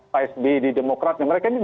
psb di demokratnya mereka ini